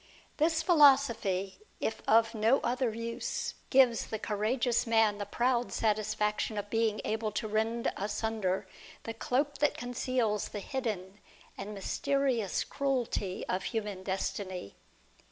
This philo sophy, if of no other use, gives the courageous man the proud satisfaction of being able to rend asunder the cloak that conceals the hidden and mysterious cruelty of human destiny.